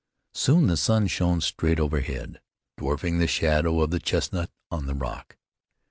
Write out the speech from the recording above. Soon the sun shone straight overhead, dwarfing the shadow of the chestnut on the rock.